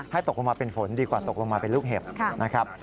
ให้ตกลงมาเป็นฝนดีกว่าตกลงมาเป็นลูกเห็บ